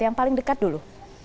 yang paling dekat dulu